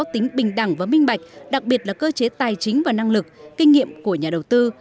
tính bình đẳng và minh bạch đặc biệt là cơ chế tài chính và năng lực kinh nghiệm của nhà đầu tư